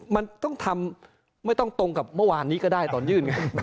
มันต้องทำไม่ต้องตรงกับเมื่อวานนี้ก็ได้ตอนยื่นไง